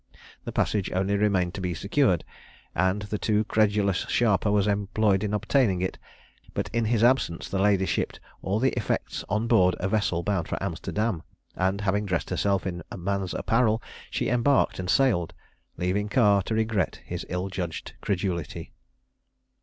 The passage only remained to be secured, and the too credulous sharper was employed in obtaining it; but in his absence the lady shipped all the effects on board a vessel bound for Amsterdam, and, having dressed herself in man's apparel, she embarked and sailed, leaving Carr to regret his ill judged credulity.